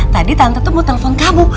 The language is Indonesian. tadi tante tuh mau telepon kamu